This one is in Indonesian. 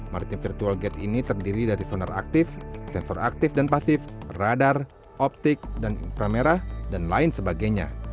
maritim virtual gate ini terdiri dari sonar aktif sensor aktif dan pasif radar optik dan inframerah dan lain sebagainya